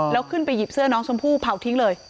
แล้วขึ้นไปหยิบเสื้อน้องชมพู่เผาทิ้งเลย